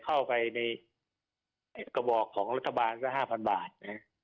เข้าไปในกระบอกของรัฐบาลก็ห้าพันบาทนะฮะ